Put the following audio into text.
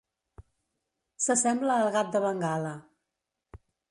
S'assembla al gat de Bengala.